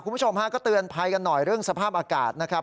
คุณผู้ชมฮะก็เตือนภัยกันหน่อยเรื่องสภาพอากาศนะครับ